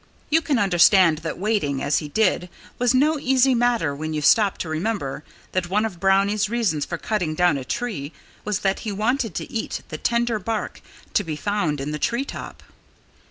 You can understand that waiting, as he did, was no easy matter when you stop to remember that one of Brownie's reasons for cutting down a tree was that he wanted to eat the tender bark to be found in the tree top.